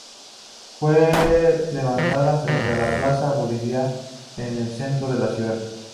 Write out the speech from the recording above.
Fue levantada frente a la plaza de Bolívar, en el centro de la ciudad.